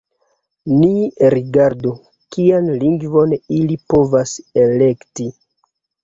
Ni rigardu, kian lingvon ili povas elekti.